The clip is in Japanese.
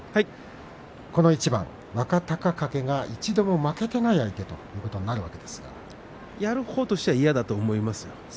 この一番、若隆景が一度も負けていない相手というやるほうとしては嫌だと思いますよ。